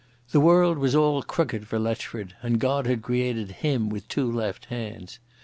The world was all crooked for Letchford, and God had created him with two left hands.